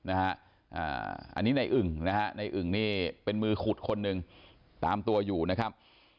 อันนี้ในอึ่งนะฮะในอึ่งนี่เป็นมือขุดคนหนึ่งตามตัวอยู่นะครับ